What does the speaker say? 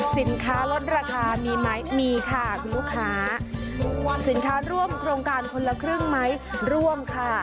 สินค้าลดราคามีไหมมีค่ะคุณลูกค้าสินค้าร่วมโครงการคนละครึ่งไหมร่วมค่ะ